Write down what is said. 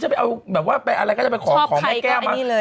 จะไปเอาแบบว่าไปอะไรก็จะไปขอขอแม่แก้วมาชอบใครก็อันนี้เลย